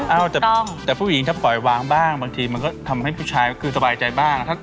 แต่ผู้หญิงถ้าปล่อยวางบ้างบางทีมันก็ทำให้ผู้ชายก็คือสบายใจบ้าง